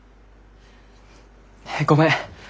ごめん。